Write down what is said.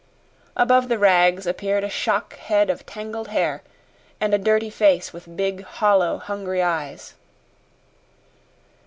Above the rags appeared a shock head of tangled hair, and a dirty face with big, hollow, hungry eyes.